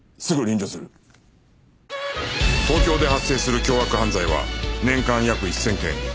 東京で発生する凶悪犯罪は年間約１０００件